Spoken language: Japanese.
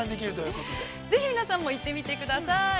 ◆ぜひ、皆さんも行ってみてください。